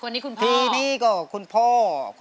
สวัสดีครับ